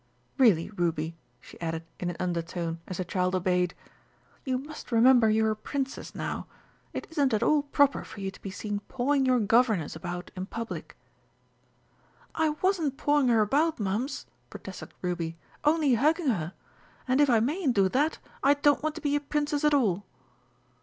Really, Ruby," she added in an undertone, as the child obeyed, "you must remember you're a Princess now. It isn't at all proper for you to be seen pawing your governess about in public." "I wasn't pawing her about, Mums!" protested Ruby; "only hugging her. And if I mayn't do that, I don't want to be a Princess at all!"